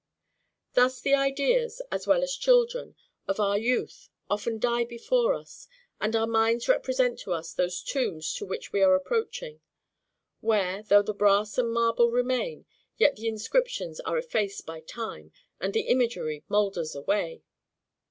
Thus the ideas, as well as children, of our youth, often die before us: and our minds represent to us those tombs to which we are approaching; where, though the brass and marble remain, yet the inscriptions are effaced by time, and the imagery moulders away.